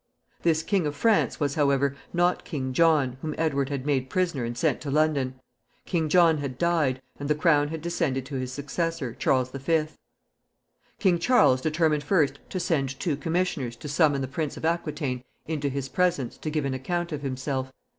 This King of France was, however, not King John, whom Edward had made prisoner and sent to London. King John had died, and the crown had descended to his successor, Charles the Fifth. King Charles determined first to send two commissioners to summon the Prince of Aquitaine into his presence to give an account of himself.